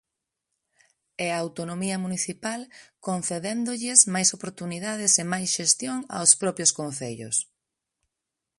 E autonomía municipal, concedéndolles máis oportunidades e máis xestión aos propios concellos.